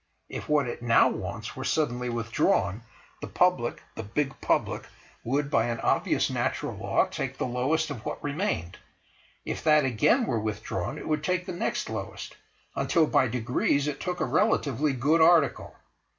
If what it now wants were suddenly withdrawn, the Public, the big Public, would by an obvious natural law take the lowest of what remained; if that again were withdrawn, it would take the next lowest, until by degrees it took a relatively good article.